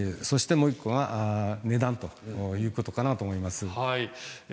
そしてもう１個が値段ということかなと思います。